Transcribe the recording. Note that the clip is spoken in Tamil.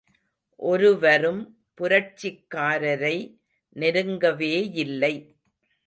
ஒருவரும் புரட்சிக்காரரை நெருங்கவேயில்லை.